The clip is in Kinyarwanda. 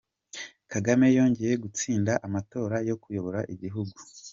kagame yongeye gutsinda amatora yo kuyobora igihugu